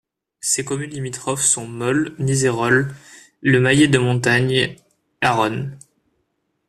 Ses communes limitrophes sont Molles, Nizerolles, Le Mayet-de-Montagne, Arronnes.